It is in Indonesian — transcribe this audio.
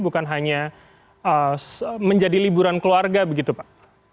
bukan hanya menjadi liburan keluarga begitu pak